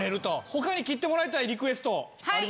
他に切ってもらいたいリクエストありますか？